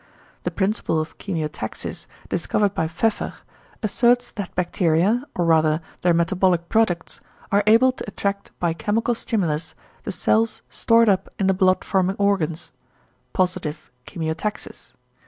The principle of =chemiotaxis= discovered by Pfeffer asserts that bacteria, or rather their metabolic products, are able to attract by chemical stimulus the cells stored up in the blood forming organs ("positive chemiotaxis").